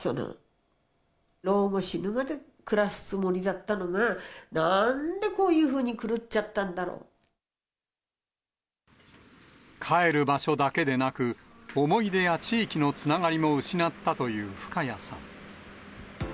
老後、死ぬまで暮らすつもりだったのが、なんでこういうふうに狂っちゃっ帰る場所だけでなく、思い出や地域のつながりも失ったという深谷さん。